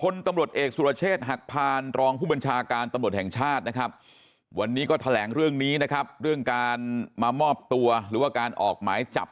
พลตำรวจเอกสุรเชษฐ์หักพานรองผู้บัญชาการตำรวจแห่งชาตินะครับวันนี้ก็แถลงเรื่องนี้นะครับเรื่องการมามอบตัวหรือว่าการออกหมายจับ